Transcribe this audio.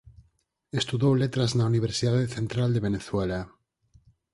Estudou Letras na Universidade Central de Venezuela.